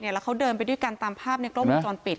แล้วเขาเดินไปด้วยกันตามภาพในกล้องวงจรปิด